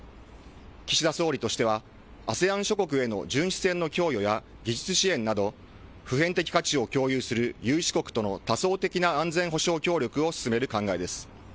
岸田総理としては、ＡＳＥＡＮ諸国への巡視船の供与や技術支援など、普遍的価値を共有する有志国との多層的な安全保障協力を進める考えです。